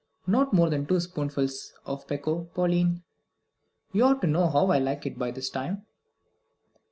Not more than two spoonfuls of pekoe, Pauline. You ought to know how I like it by this time."